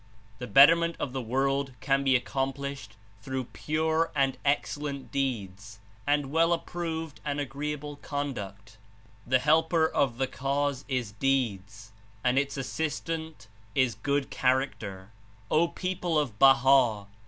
The betterment of the world 93 can be accomplished through pure and excellent deeds and well approved and agreeable conduct. The helper of the Cause Is Deeds and its assistant is Good Char acter. O people of Baha'